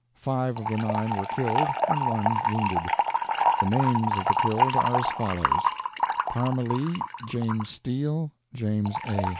Five of the nine were killed and one wounded. The names of the killed are as follows: Parmelee, James Steele, James A.